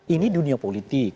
ini dunia politik